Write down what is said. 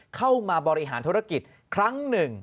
เข้ามาบริหารธุรกิจครั้งหนึ่ง